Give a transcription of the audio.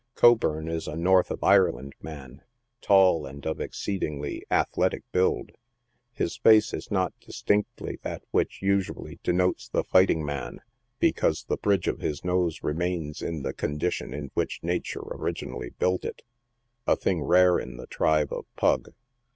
Co burn is a north of Ireland man, tall, and of exceedingly athletic build. His face is not distinctly that which usually denotes the fighting man, because the bridge of his nose remains in the condi tion in which nature originally built it — a thing rare in the tribe of Pug.